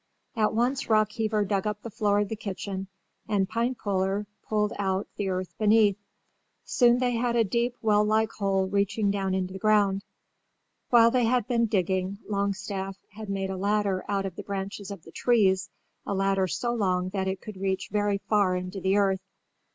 At once Rockheaver dug up the floor of the kitchen and Pinepuller pulled out the earth beneath. Soon they had a deep well like hole reaching down into the ground. While they had been digging, Longstaff had made a ladder out of the branches of the trees, a ladder so long that it could reach very far into the earth.